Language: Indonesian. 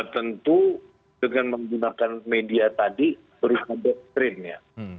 tentu dengan menggunakan media tadi berupa doktrin ya